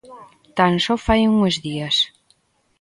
Tan só fai uns días.